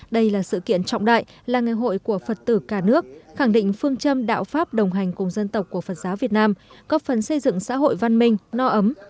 đây là sự kiện trọng đại là ngày hội của phật tử cả nước khẳng định phương châm đạo pháp đồng hành cùng dân tộc của phật giáo việt nam góp phần xây dựng xã hội văn minh no ấm